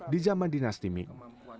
di jaman dinasti ming